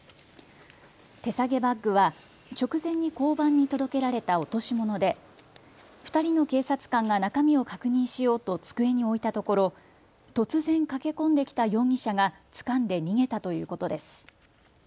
手提げバッグは直前に交番に届けられた落とし物で２人の警察官が中身を確認しようと机に置いたところ突然、駆け込んできた容疑者がつかんで逃げたということです。